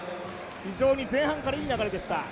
非常に前半からいい流れでした。